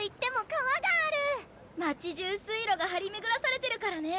町じゅう水路が張り巡らされてるからね。